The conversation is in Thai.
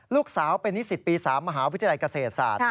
ลูกสาวเป็นนิสิตปี๓มหาวิทยาลัยเกษตรศาสตร์